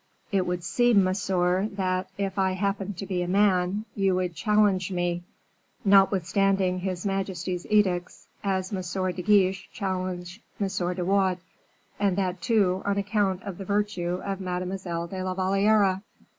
"It would seem, monsieur, that, if I happened to be a man, you would challenge me, notwithstanding his majesty's edicts, as Monsieur de Guiche challenged M. de Wardes; and that, too, on account of the virtue of Mademoiselle de la Valliere."